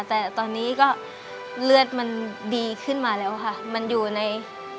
แต่ตอนนี้ก็เลือดมันดีขึ้นมาแล้วค่ะมันอยู่ใน